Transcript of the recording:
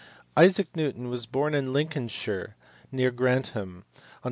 Isaac Newton was born in Lincolnshire near Grantham on Dec.